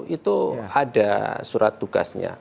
itu ada surat tugasnya